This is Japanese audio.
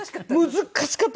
難しかった。